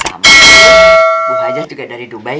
sama lo gue ajak juga dari dubai ya